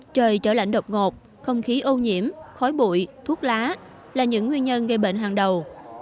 trời trở lạnh đột ngột không khí ô nhiễm khói bụi thuốc lá là những nguyên nhân gây bệnh hàng đầu